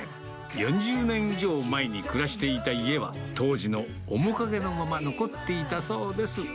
４０年以上前に暮らしていた家は、当時の面影のまま残っていたそうです。